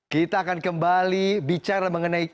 kita akan kembali berbicara tentang